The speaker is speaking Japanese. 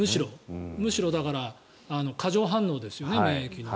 むしろ過剰反応ですよね免疫の。